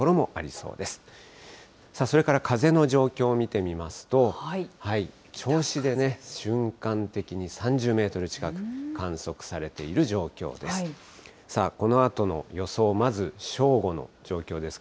それから風の状況を見てみますと、銚子でね、瞬間的に３０メートル近く観測されている状況です。